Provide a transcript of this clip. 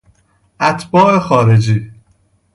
اتباع خارجی